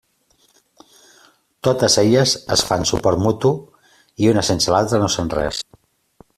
Totes elles es fan suport mutu i una sense l'altra no són res.